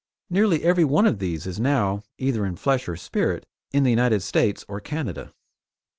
Nearly everyone of these is now, either in the flesh or spirit, in the United States or Canada.